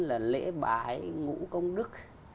là lễ bái ngũ công đức